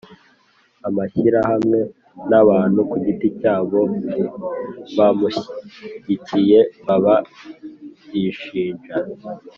amashyirahamwe n'abantu ku giti cyabo bamushyigikiye baba byishinja